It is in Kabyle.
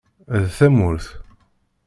D tamurt.